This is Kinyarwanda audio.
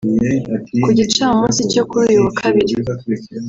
Ku gicamunsi cyo kuri uyu wa kabiri